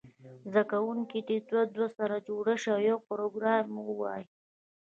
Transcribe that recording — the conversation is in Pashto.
زده کوونکي دوه دوه سره جوړ شي او یو پاراګراف ووایي.